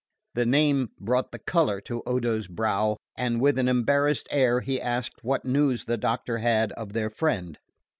The name brought the colour to Odo's brow, and with an embarrassed air he asked what news the doctor had of their friend.